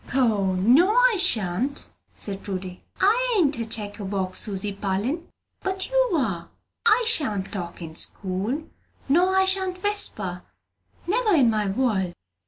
"Poh; no I shan't," said Prudy. "I ain't a checker box, Susy Parlin; but you are! I shan't talk in school, nor I shan't whisper, never in my world!"